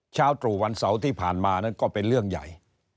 ตรู่วันเสาร์ที่ผ่านมานั้นก็เป็นเรื่องใหญ่